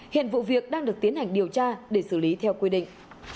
hiện vụ việc đang được tiến hành điều tra để xử lý theo quy định